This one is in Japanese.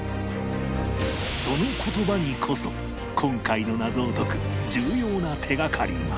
その言葉にこそ今回の謎を解く重要な手掛かりが